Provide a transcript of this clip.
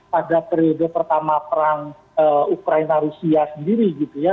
pada periode pertama perang ukraina rusia sendiri gitu ya